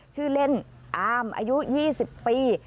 ชื่อเล่นอามอายุ๒๐ปี